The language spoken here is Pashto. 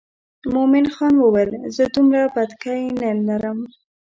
مومن خان وویل زه دومره بتکۍ نه لرم.